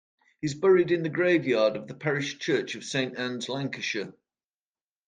He is buried in the graveyard of the Parish Church of Saint Annes, Lancashire.